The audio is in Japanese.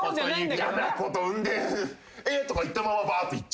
やなことんでえっとか言ったままばーっと行っちゃって。